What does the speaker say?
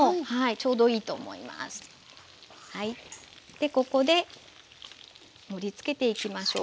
でここで盛りつけていきましょう。